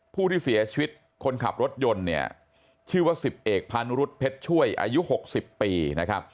ผู้ที่เสียชีวิตคนขับรถยนต์เนี่ยชื่อว่าสิบเอกพานุรุษเพชรช่วยอายุ๖๐ปีนะครับ